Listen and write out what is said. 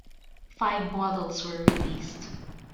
Five models were released.